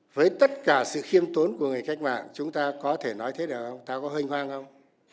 với tất cả sự khiêm tốn của người cách mạng chúng ta có thể nói thế được không ta có hênh hoang không